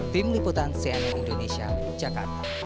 tim liputan cnn indonesia jakarta